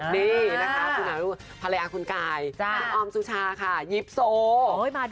นี่นะคะคุณฮารุภรรยาคุณกายจ้ะออมสุชาค่ะยิปโซโอ้ยมาด้วย